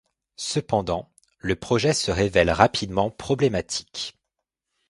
Cependant, le projet se révèle rapidement problématique.